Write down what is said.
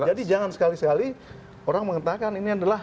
jadi jangan sekali sekali orang mengatakan ini adalah